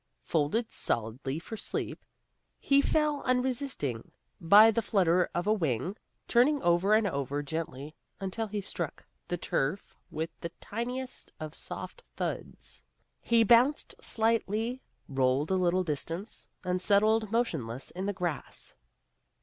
Folded solidly for sleep, he fell unresisting by the flutter of a wing, turning over and over gently until he struck the turf with the tiniest of soft thuds. He bounced slightly, rolled a little distance, and settled motionless in the grass.